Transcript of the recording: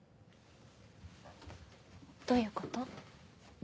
どういうこと？